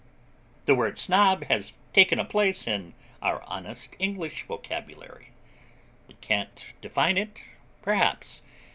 The word Snob has taken a place in our honest English vocabulary. We can't define it, perhaps.